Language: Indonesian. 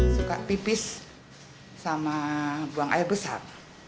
suka pipis sama buang air besar